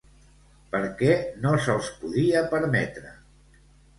Per què no se'ls podia permetre?